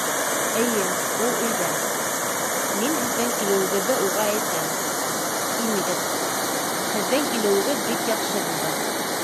— Эйе, ул өйҙә. Мин һеҙҙең килеүегеҙҙе уға әйтәм. Инегеҙ. Һеҙҙең килеүегеҙ бик яҡшы булды.